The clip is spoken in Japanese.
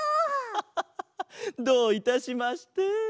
ハハハハッどういたしまして。